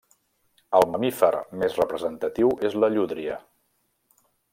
El mamífer més representatiu és la llúdria.